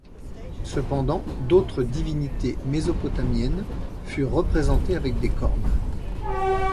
Cependant, d'autres divinités mésopotamiennes furent représentées avec des cornes.